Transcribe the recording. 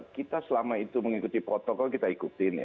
kita selama itu mengikuti protokol kita ikutin